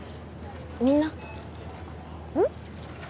みんなうん？